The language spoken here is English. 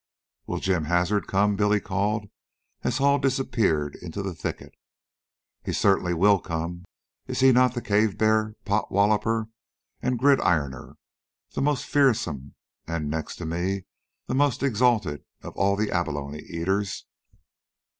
"Will Jim Hazard come?" Billy called, as Hall disappeared into the thicket. "He will certainly come. Is he not the Cave Bear Pot Walloper and Gridironer, the most fearsome, and, next to me, the most exalted, of all the Abalone Eaters?"